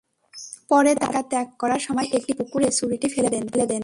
পরে তাঁরা এলাকা ত্যাগ করার সময় একটি পুকুরে ছুরিটি ফেলে দেন।